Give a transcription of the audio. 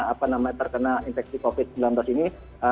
apa namanya terkena infeksi covid sembilan belas ini